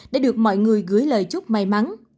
để được mọi người gửi lời chúc may mắn